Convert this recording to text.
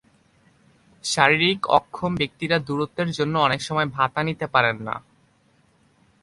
শারীরিক অক্ষম ব্যক্তিরা দূরত্বের জন্য অনেক সময় ভাতা নিতে পারেন না।